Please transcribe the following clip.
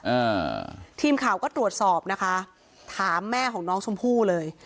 อ่าทีมข่าวก็ตรวจสอบนะคะถามแม่ของน้องชมพู่เลย